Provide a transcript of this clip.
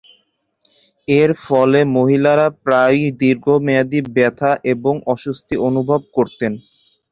এর ফলে মহিলারা প্রায়ই দীর্ঘমেয়াদী ব্যথা এবং অস্বস্তি অনুভব করতেন।